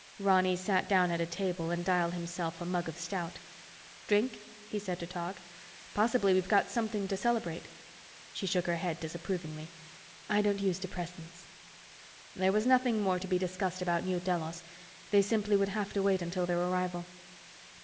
Ronny sat down at a table and dialed himself a mug of stout. "Drink?" he said to Tog. "Possibly we've got something to celebrate." She shook her head disapprovingly. "I don't use depressants." There was nothing more to be discussed about New Delos, they simply would have to wait until their arrival.